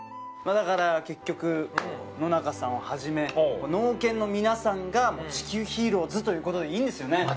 だから結局野中さんをはじめ農研の皆さんが地球ＨＥＲＯＥＳということでいいんですよね？